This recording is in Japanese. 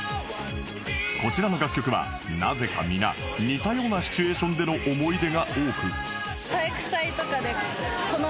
こちらの楽曲はなぜか皆似たようなシチュエーションでの思い出が多く